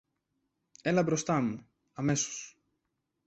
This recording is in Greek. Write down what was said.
Έλα μπροστά μου, αμέσως!